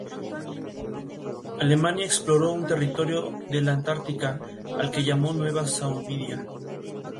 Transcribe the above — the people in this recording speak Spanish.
Alemania exploró un territorio de la Antártida al que llamó Nueva Suabia.